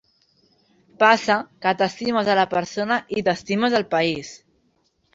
Passa que t’estimes a la persona i t’estimes al país.